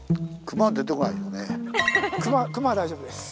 熊は大丈夫です。